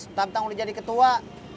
mentang mentang udah jadi ketua